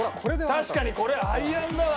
確かにこれアイアンだわ。